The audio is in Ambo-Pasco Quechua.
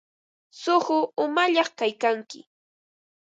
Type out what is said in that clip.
Suqu umañaq kaykanki.